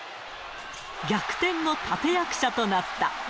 逆転の立て役者となった。